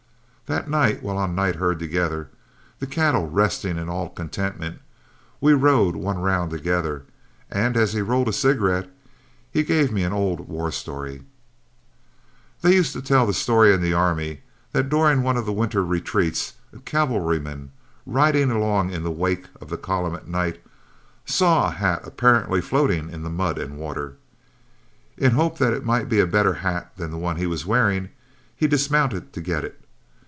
That night while on night herd together the cattle resting in all contentment we rode one round together, and as he rolled a cigarette he gave me an old war story: "They used to tell the story in the army, that during one of the winter retreats, a cavalryman, riding along in the wake of the column at night, saw a hat apparently floating in the mud and water. In the hope that it might be a better hat than the one he was wearing, he dismounted to get it.